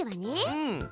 うん。